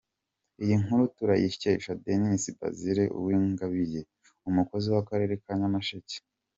Iyi nkuru turayikesha Denys Basile Uwingabiye, umukozi w’Akarere ka Nyamasheke .